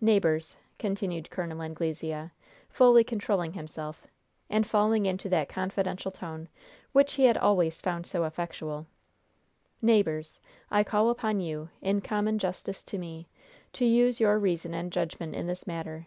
"Neighbors," continued Col. Anglesea, fully controlling himself, and falling into that confidential tone which he had always found so effectual "neighbors, I call upon you, in common justice to me, to use your reason and judgment in this matter.